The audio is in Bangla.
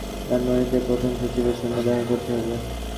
সেটা নেওয়ার জন্য আমাকে ধানমন্ডিতে প্রথম সচিবের সঙ্গে দেখা করতে হবে।